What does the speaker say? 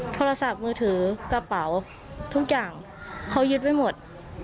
โทรศัพท์มือถือกระเป๋าทุกอย่างเขายึดไว้หมด